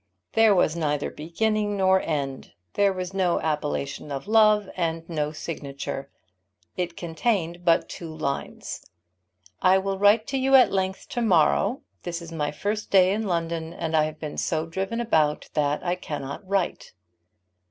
There was neither beginning nor end. There was no appellation of love, and no signature. It contained but two lines. "I will write to you at length to morrow. This is my first day in London, and I have been so driven about that I cannot write."